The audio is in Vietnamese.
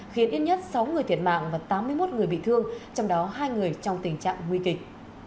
khiến ít nhất sáu người thiệt mạng và tám mươi một người bị thương trong đó hai người trong tình trạng nguy kịch